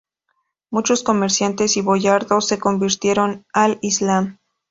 Muchos comerciantes y boyardos se convirtieron al Islam.